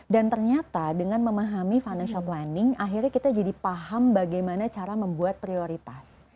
dan ternyata dengan memahami financial planning akhirnya kita jadi paham bagaimana cara membuat prioritas